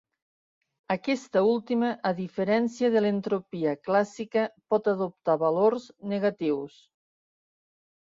Aquesta última, a diferència de l'entropia clàssica, pot adoptar valors negatius.